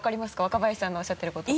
若林さんのおっしゃってること。